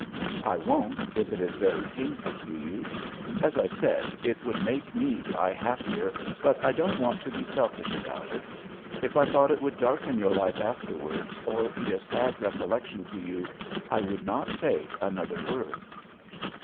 "I won't, if it is very painful to you. As I said, it would make me die happier, but I don't want to be selfish about it. If I thought it would darken your life afterwards or be a sad recollection to you I would not say another word."